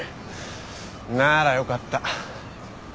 ならよかった。